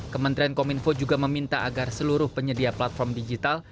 kementerian komunikasi dan informatika juga meminta agar seluruh penyedia platform digital